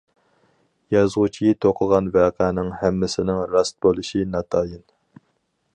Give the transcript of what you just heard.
يازغۇچى توقۇغان ۋەقەنىڭ ھەممىسىنىڭ راست بولۇشى ناتايىن.